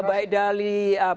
baik dari satu dua